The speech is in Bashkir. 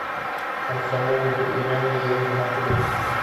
Комсомол бит ул иғәнә йыйыу ғына түгел.